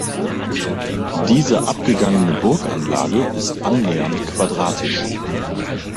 Diese abgegangene Burganlage ist annähernd quadratisch.